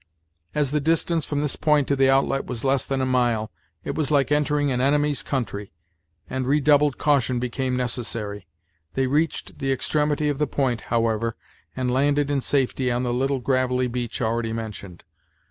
As the distance from this point to the outlet was less than a mile, it was like entering an enemy's country; and redoubled caution became necessary. They reached the extremity of the point, however, and landed in safety on the little gravelly beach already mentioned.